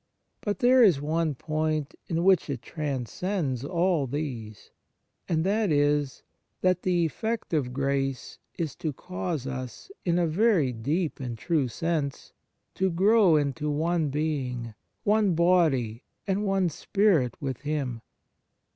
But there is one point in which it transcends all these : and that is that the effect of grace is to cause us, in a very deep and true sense, to grow into one being, one body and one spirit with Him.